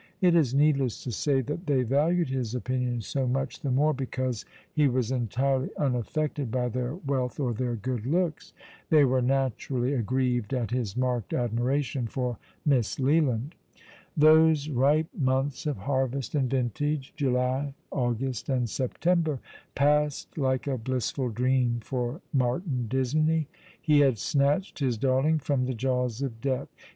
It is needless to say that they valued his opinion so much the more because he was entirely unaffected by their wealth or their good looks. They were naturally aggrieved at his marked admiration for Miss Leland. Those ripe months of harvest and vintage, July, August, and September, passed like a blissful dream for Martin Disney. He had snatched his darling from the jaws of death.